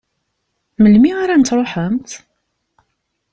Melmi ara n-truḥemt?